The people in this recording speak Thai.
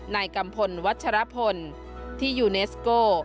กัมพลวัชรพลที่ยูเนสโก